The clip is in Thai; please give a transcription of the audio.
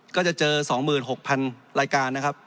ก็จะเจอ๒๖๐๐๐รายการนะครับ